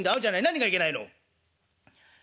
何がいけないの？」。